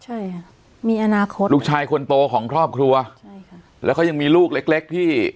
ใช่ค่ะมีอนาคตลูกชายคนโตของครอบครัวใช่ค่ะแล้วเขายังมีลูกเล็กเล็กที่